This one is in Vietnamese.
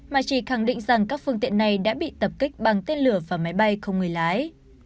mà chỉ khẳng định rằng các phương tiện này đã bị tập kích bằng tên lửa và máy bay không người lái